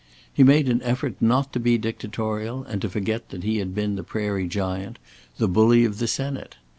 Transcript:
He made an effort not to be dictatorial and to forget that he had been the Prairie Giant, the bully of the Senate.